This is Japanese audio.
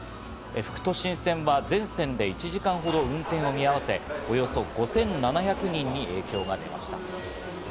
副都心線は全線で１時間ほど運転を見合わせ、およそ５７００人に影響が出ました。